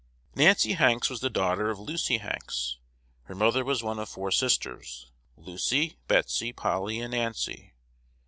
Nancy Hanks was the daughter of Lucy Hanks. Her mother was one of four sisters, Lucy, Betsy, Polly, and Nancy.